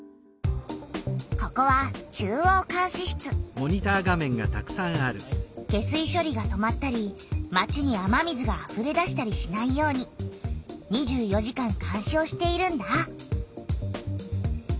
ここは下水しょりが止まったり町に雨水があふれ出したりしないように２４時間監視をしているんだ。